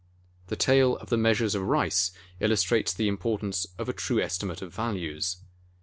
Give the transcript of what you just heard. The tale of the Measures of Rice illustrates the importance of a true estimate of values.